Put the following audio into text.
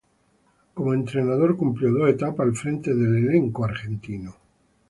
Como entrenador cumplió dos etapas al frente del elenco argentino.